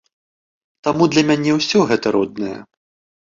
Таму для мяне ўсё гэта роднае.